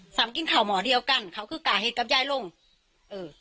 กินข่าวหมอเดียวกันเขาคือก่อเหตุกับยายลงเออ